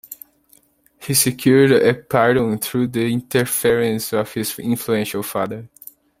He secured a pardon through the interference of his influential father.